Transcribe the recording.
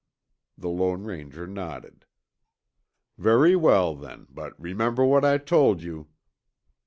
The Lone Ranger nodded. "Very well, then, but remember what I told you."